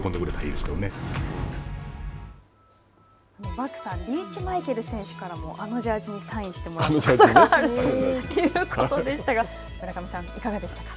バクさん、リーチマイケル選手からも、あのジャージにサインしてもらって。ということでしたが、村上さん、いかがでしたか。